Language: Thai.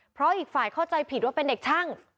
เพราะอีกฝ่ายเข้าใจผิดว่าเป็นเด็กช่าง